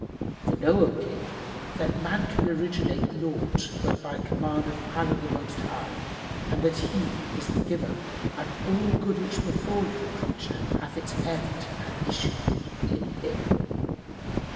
For know, O King, that man can originate naught but by command of Allah the Most High and that He is the Giver and all good which befalleth a creature hath its end and issue in Him.